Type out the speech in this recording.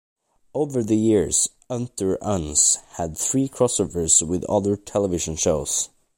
Over the years, "Unter Uns" had three crossovers with other television shows.